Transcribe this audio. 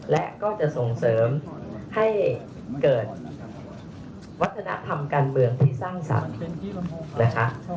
และก็จะส่งเสริมให้เกิดวัฒนธรรมการเมืองที่สร้างสรรค์ขึ้นนะคะ